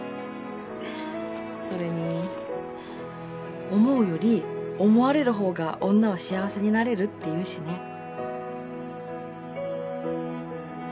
それに思うより思われる方が女は幸せになれるっていうしね。